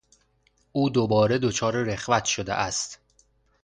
او دوباره دچار رخوت شده است.